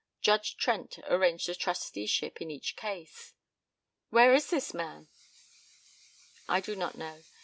Judge Trent arranged the trusteeship in each case " "Where is this man?" "I do not know.